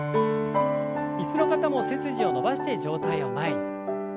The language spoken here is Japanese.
椅子の方も背筋を伸ばして上体を前に。